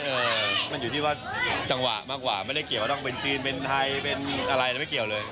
เมานอยู่ที่ว่าจังหวะมากว่ามันได้เกี่ยวว่าต้องเป็นจีนมันจะเป็นไทยมันไม่เกี่ยวเลย